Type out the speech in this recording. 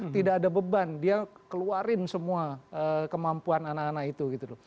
tidak ada beban dia keluarin semua kemampuan anak anak itu gitu loh